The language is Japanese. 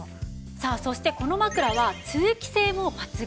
さあそしてこの枕は通気性も抜群なんです。